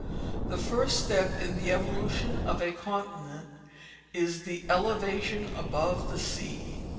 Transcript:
The first step in the evolution of a continent is its elevation above the sea.